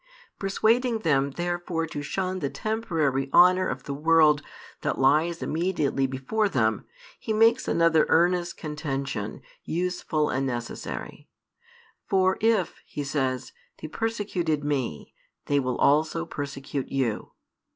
Persuading them therefore to shun the temporary honour of the world that lies immediately before them, He makes another earnest contention, useful and necessary. For if, He says, they persecuted Me, they will also persecute you.